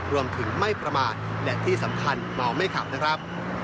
รวมถึงไม่ประมาทและที่สำคัญเมาไม่ขับนะครับ